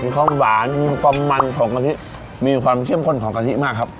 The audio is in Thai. ความหวานความมันของกะทิมีความเข้มข้นของกะทิมากครับ